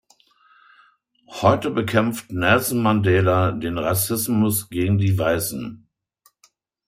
Heute bekämpft Nelson Mandela den Rassismus gegen die Weißen.